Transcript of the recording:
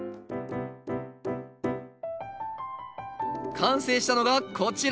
完成したのがこちら。